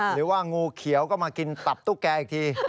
หรือว่างูเขียวก็มากินตับตุ๊กแกอีกที